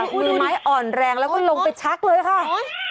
มือไม้อ่อนแรงแล้วก็ลงไปชักเลยค่ะ